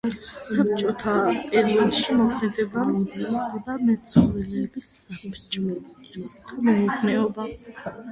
საბჭოთა პერიოდში მოქმედებდა მეცხოველეობის საბჭოთა მეურნეობა.